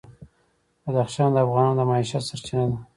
بدخشان د افغانانو د معیشت سرچینه ده.